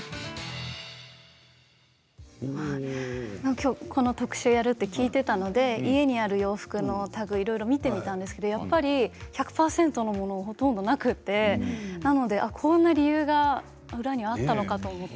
きょうこの特集をやるって聞いていたので家にある洋服のタグいろいろ見てみたんですけどやっぱり１００％のものほとんどなくてこんな理由が裏にあったのかと思って。